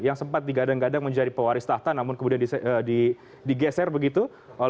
yang sempat digadang gadang menjadi pewaris tahta namun kemudian digeser begitu